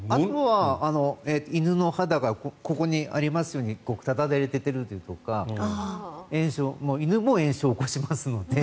犬の肌がここにありますようにただれているとか犬も炎症を起こしますので。